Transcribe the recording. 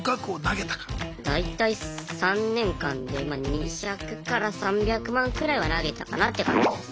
大体３年間で２００３００万くらいは投げたかなって感じです。